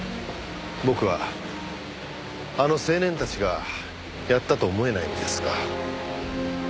僕はあの青年たちがやったとは思えないんですが。